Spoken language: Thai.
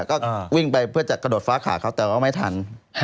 ก็วิ่งไปเพื่อจะกระโดดฟ้าขาเขาแต่ว่าไม่ทัน